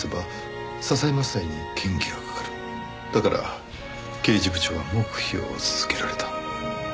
だから刑事部長は黙秘を続けられた。